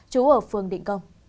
trú ở phường định công